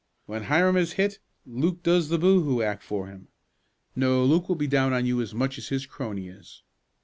When Hiram is hit Luke does the boo hoo act for him. No, Luke will be down on you as much as his crony is.